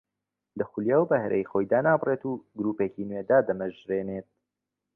لە خولیا و بەهرەی خۆی دانابڕێت و گرووپێکی نوێ دادەمەژرێنێت